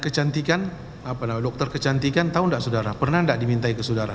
siapa itu yang minta